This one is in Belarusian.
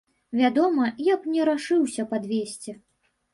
Вядома, я б не рашыўся падвесці.